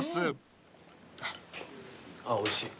あぁおいしい。